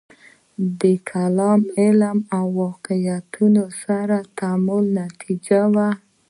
د کلام علم له واقعیتونو سره د تعامل نتیجه وه.